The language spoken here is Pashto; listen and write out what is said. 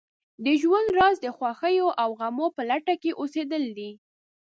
د ژوند راز د خوښیو او غمو په لټه کې اوسېدل دي.